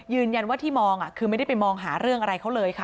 ยืนยันว่าที่มองคือไม่ได้ไปมองหาเรื่องอะไรเขาเลยค่ะ